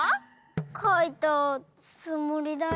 かいたつもりだよ。